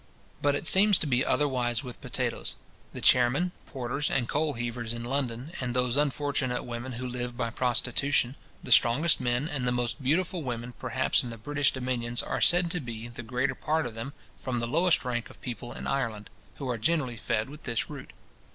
But it seems to be otherwise with potatoes. The chairmen, porters, and coal heavers in London, and those unfortunate women who live by prostitution, the strongest men and the most beautiful women perhaps in the British dominions, are said to be, the greater part of them, from the lowest rank of people in Ireland, who are generally fed with this root.